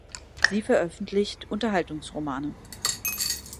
Sie veröffentlicht Unterhaltungsromane.